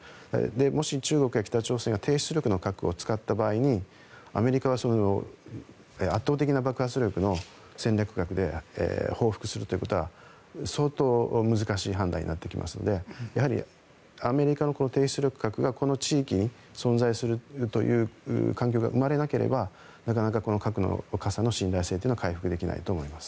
もし中国や北朝鮮が低出力の核を使った場合にアメリカは圧倒的な爆発力の戦略核で報復するということは相当難しい判断になるのでやはりアメリカの低出力核がこの地域に存在するという環境が生まれなければなかなか核の傘の信頼性は回復できないと思います。